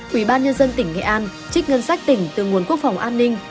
quỹ ban nhân dân tỉnh nghệ an trích ngân sách tỉnh từ nguồn quốc phòng an ninh